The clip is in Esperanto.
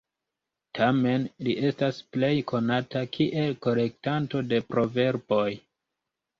Tamen li estas plej konata kiel kolektanto de proverboj.